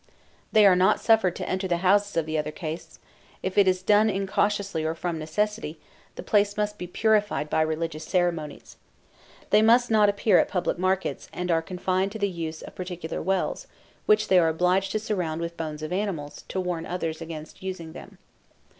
They are not suffered to enter the houses of the other castes; if it is done incautiously or from necessity, the place must be purified by religious ceremonies. They must not appear at public markets, and are confined to the use of particular wells, which they are obliged to surround with bones of animals, to warn others against using them.